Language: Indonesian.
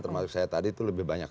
termasuk saya tadi itu lebih banyak